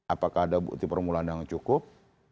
apakah ada bukti permulaan yang cukup